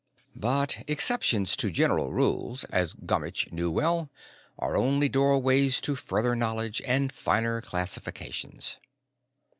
But exceptions to general rules, as Gummitch knew well, are only doorways to further knowledge and finer classifications.